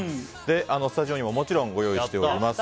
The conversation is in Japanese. スタジオにももちろんご用意しております。